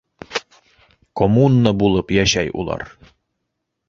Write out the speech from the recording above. Коммуна булып йәшәй улар!